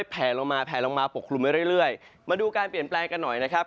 แผลลงมาแผลลงมาปกคลุมไปเรื่อยมาดูการเปลี่ยนแปลงกันหน่อยนะครับ